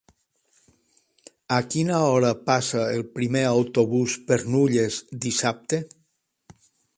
A quina hora passa el primer autobús per Nulles dissabte?